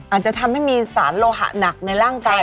อาจจะทำให้มีสารโลหะหนักในร่างกาย